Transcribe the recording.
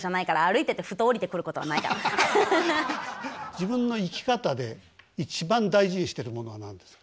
自分の生き方で一番大事にしてるものは何ですか？